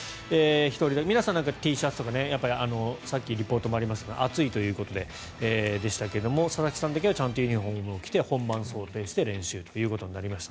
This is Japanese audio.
皆さんＴシャツとかさっきリポートもありましたが暑いということでしたが佐々木さんだけはちゃんとユニホームを着て本番を想定して練習となりました。